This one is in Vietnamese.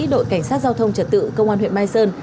đội cảnh sát giao thông trật tự công an huyện mai sơn